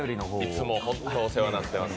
いつも本当にお世話になっています。